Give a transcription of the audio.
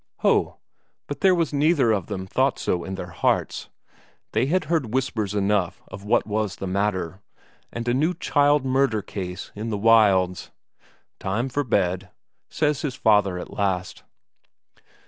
Ho, but there was neither of them thought so in their hearts; they had heard whispers enough of what was the matter; of a new child murder case in the wilds. "Time for bed," says his father at last.